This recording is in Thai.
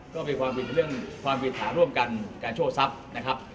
ก็มีความผิดเรื่องความผิดฐานร่วมกันการโชคทรัพย์นะครับ